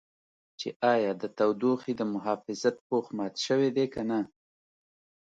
چې ایا د تودوخې د محافظت پوښ مات شوی دی که نه.